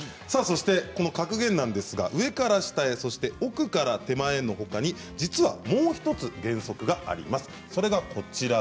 この格言上から下へ、奥から手前のほかにもう１つ、原則があります。